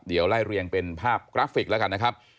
เดี๋ยวไล่เรียงเป็นภาพกราฟิกแล้วกันนะครับ